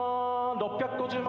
６５０万！